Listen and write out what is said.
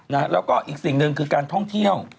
แล้วก็อีกสิ่งหนึ่งคือการท่องเที่ยว